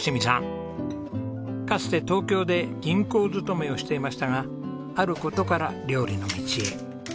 かつて東京で銀行勤めをしていましたがある事から料理の道へ。